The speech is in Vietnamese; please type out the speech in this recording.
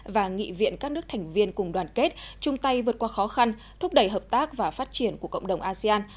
và nghị viện các nước thành viên cùng đoàn kết chung tay vượt qua khó khăn thúc đẩy hợp tác và phát triển của cộng đồng asean